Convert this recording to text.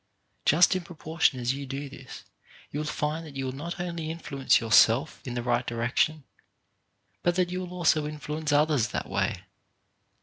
Just in proportion as you do this, you will find that you will not only influence yourself in the right direction, but that you will also influence others that Way.